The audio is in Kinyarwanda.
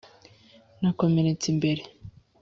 Nakomeretse imbere